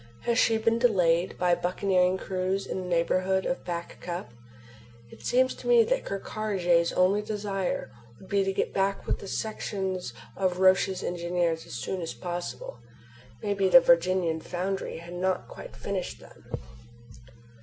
Has she been delayed by a buccaneering cruise in the neighborhood of Back Cup? It seems to me that Ker Karraje's only desire would be to get back with the sections of Roch's engines as soon as possible. Maybe the Virginian foundry had not quite finished them.